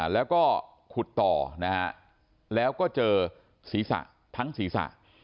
แล้วก็ขุดต่อนะฮะแล้วก็เจอศีรษะทั้งศีรษะ